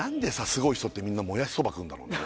すごい人ってみんなもやしそば食うんだろうね